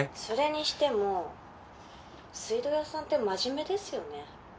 それにしても水道屋さんって真面目ですよね。